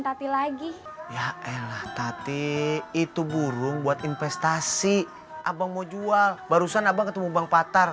tapi lagi ya elah tapi itu burung buat investasi abang mau jual barusan abang ketemu bang patar